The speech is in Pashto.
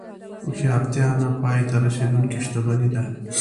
هوښیارتیا نه پای ته رسېدونکې شتمني ده.